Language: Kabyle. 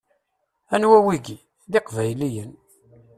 Anwa wigi? D iqbayliyen!